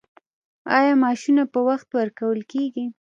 آیا معاشونه په وخت ورکول کیږي؟